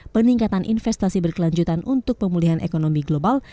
peningkatan investasi berkelanjutan untuk pemulihan ekonomi global